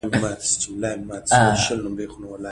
دښتې په هنري اثارو کې منعکس کېږي.